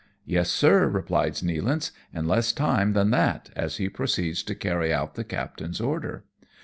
" Yes, sir," replies Nealance, " in less time than that," as he proceeds to carry out the captain's order.